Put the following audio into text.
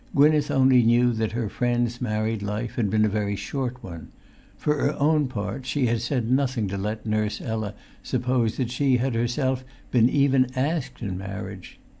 Gwynneth only knew that her friend's married life had been a very short one; for her own part, she had said nothing to let Nurse Ella suppose that she had herself been even asked in marriage.